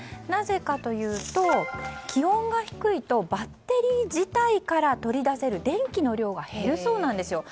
なぜかというと気温が低いとバッテリー自体から取り出せる電気の量が減るそうなんです。